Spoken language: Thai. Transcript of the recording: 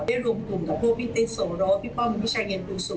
ได้รวมกลุ่มกับพี่เต้นสวโรคพี่ป้อมพี่ชายเย็นบูสุ